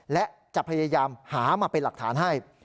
และจะพยายามหามาเป็นหลักฐานให้